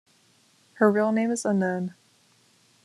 Her real name is unknown.